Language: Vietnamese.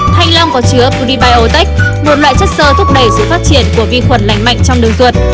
thanh long có chứa pudibiotech một loại chất sơ thúc đẩy sự phát triển của vi khuẩn lành mạnh trong đường ruột